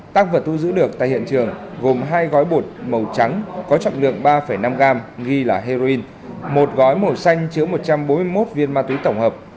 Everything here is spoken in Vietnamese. tăng vật thu giữ được tại hiện trường gồm hai gói bột màu trắng có trọng lượng ba năm gram ghi là heroin một gói màu xanh chứa một trăm bốn mươi một viên ma túy tổng hợp